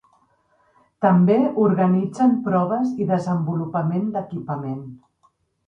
També organitzen proves i desenvolupament d'equipament.